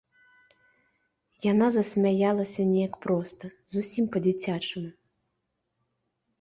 Яна засмяялася неяк проста, зусім па-дзіцячаму.